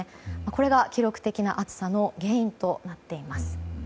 これが記録的な暑さの原因となっています。